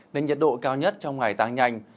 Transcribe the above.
nên nhiệt độ cao nhất trong ngày tăng nhanh